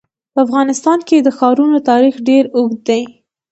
په افغانستان کې د ښارونو تاریخ ډېر اوږد دی.